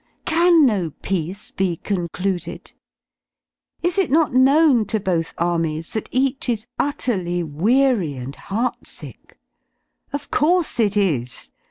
^^ Can no peace ht concluded? L Is it not known to both armies that each is utterly weary ^ and heartsick? Of course it is.